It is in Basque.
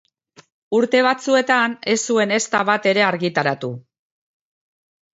Urte batzuetan ez zuen ezta bat ere argitaratu.